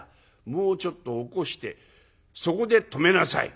もうちょっと起こしてそこで止めなさい。